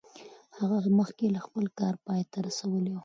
هغه مخکې لا خپل کار پای ته رسولی و.